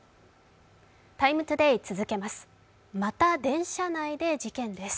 「ＴＩＭＥ，ＴＯＤＡＹ」続けます。